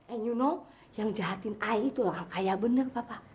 and you know yang jahatin i itu orang kaya bener bapak